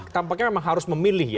tampaknya memang harus memilih ya